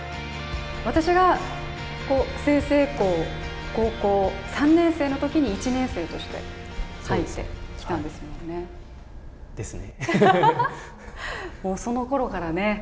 私が済々黌、高校３年生のときに１年生として、入ってきたんですもんね。ですね。